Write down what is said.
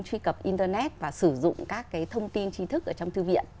truy cập internet và sử dụng các cái thông tin trí thức ở trong thư viện